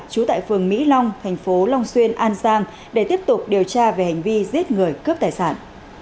trú tại phường mỹ long thành phố long xuyên an giang để tiếp tục điều tra về hành vi giết người cướp tài sản